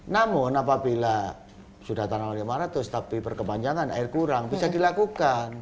namun apabila sudah tanam lima ratus tapi berkepanjangan air kurang bisa dilakukan